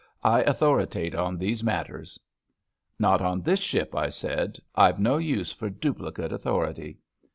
I authoritate on these matters.' * Not on this ship,' I said: * I've no use for duplicate authority.'